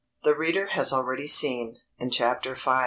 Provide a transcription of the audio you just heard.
_ The reader has already seen, in Chapter V.